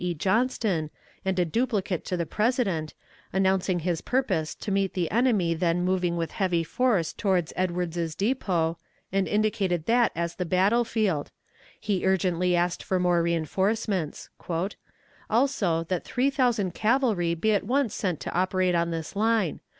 E. Johnston, and a duplicate to the President, announcing his purpose to meet the enemy then moving with heavy force toward Edwards's Depot, and indicated that as the battle field; he urgently asked for more reënforcements: "Also, that three thousand cavalry be at once sent to operate on this line.